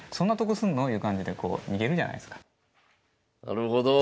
なるほど。